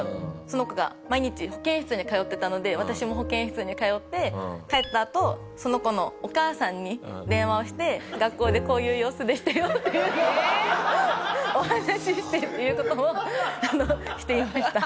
その子が毎日保健室に通ってたので私も保健室に通って帰ったあとその子のお母さんに電話をして学校でこういう様子でしたよっていうのをお話ししてっていう事をしていました。